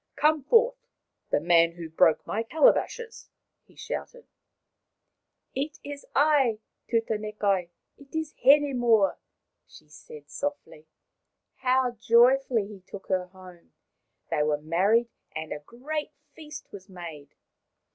" Come forth, the man who broke my calabashes !" he shouted. " It is I, Tutanekai. It is Hinemoa," she said softly. How joyfully he took her home ! They were married, and a great feast was made.